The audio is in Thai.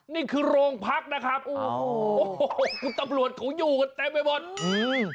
นี่คือโรงพักนะครับอ๋อหี่คุณตับปรวจเขาอยู่กันเต็มไปหมดหือ